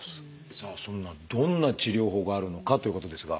さあそんなどんな治療法があるのかということですが。